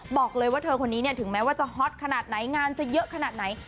บอกเลยว่าเธอคนนี้เนี่ยถึงแม้ว่าจะฮอตขนาดไหนงานจะเยอะขนาดไหน